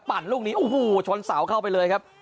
ปั่นลูกนี้อู๋ชนเสาเข้าไปเลยครับ